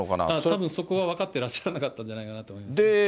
たぶんそこは分かってらっしゃらなかったかなと思います。